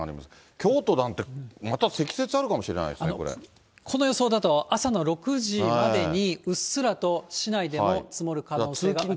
京都なんて、また積雪あるかもしれないですよ、この予想だと、朝の６時までにうっすらと市内でも積もる可能性があります。